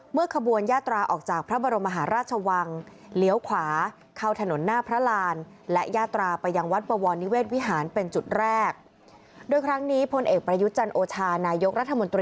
เมื่อขบวนยาตราออกจากพระบรมหาราชวัง